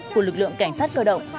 của lực lượng cảnh sát cơ động